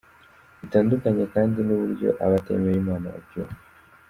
Bitandukanye kandi n’uburyo abatemera Imana babyumva.